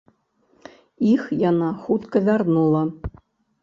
Іх яна хутка вярнула.